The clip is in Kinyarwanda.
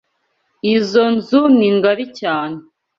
Izoi nzu ni ngari cyane.